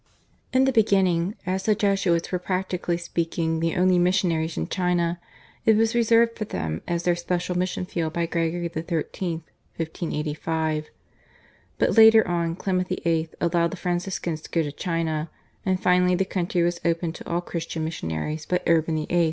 In the beginning, as the Jesuits were practically speaking the only missionaries in China, it was reserved for them as their special mission field by Gregory XIII. (1585). But later on Clement VIII. allowed the Franciscans to go to China, and finally the country was opened to all Christian missionaries by Urban VIII.